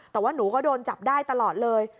แต่ว่าหนูก็โดนจับได้ตลอดเลย